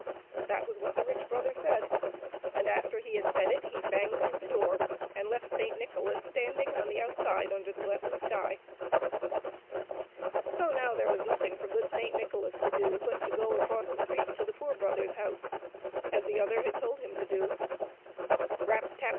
That was what the rich brother said, and after he had said it he banged to the door, and left Saint Nicholas standing on the outside under the blessed sky. So now there was nothing for good Saint Nicholas to do but to go across the street to the poor brother's house, as the other had told him to do. Rap ! tap